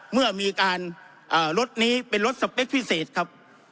เมื่อมีการรถนี้เป็นรถสเปคพิเศษครับ